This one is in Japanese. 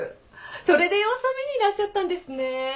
それで様子を見にいらっしゃったんですね。